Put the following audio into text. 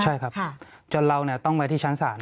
ใช่ครับจนเราต้องไปที่ชั้นศาล